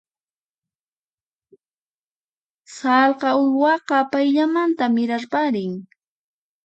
Sallqa uywaqa payllamanta mirarparin.